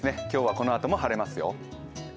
今日はこのあとも晴れますよ。